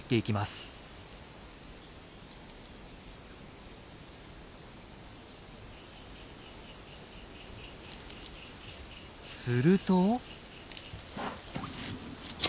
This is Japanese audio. すると。